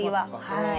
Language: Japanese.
はい。